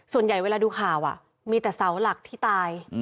ส่วนใหญ่เวลาดูข่าวมีแต่เสาหลักที่ตาย